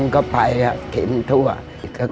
ทุกวันนี้ฉันขายขนมปร่งเหน็น